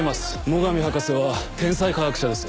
最上博士は天才科学者です。